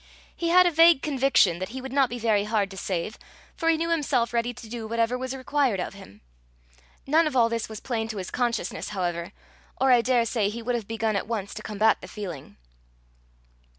He had a vague conviction that he would not be very hard to save, for he knew himself ready to do whatever was required of him. None of all this was plain to his consciousness, however, or I daresay he would have begun at once to combat the feeling.